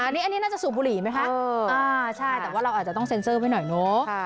อันนี้น่าจะสูบบุหรี่ไหมคะใช่แต่ว่าเราอาจจะต้องเซ็นเซอร์ไว้หน่อยเนอะ